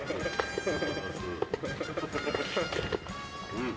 うん。